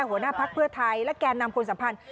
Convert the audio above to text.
หัวหน้าพักเพื่อไทยและแก่นำคนสัมพันธ์